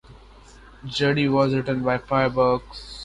Judy has written five books.